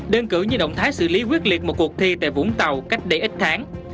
đơn cử như động thái xử lý quyết liệt một cuộc thi tại vũng tàu cách đây ít tháng